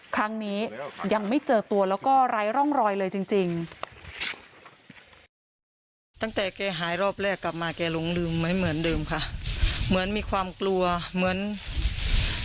ครั้งนี้ยังไม่เจอตัวแล้วก็ไร้ร่องรอยเลยจริงจริง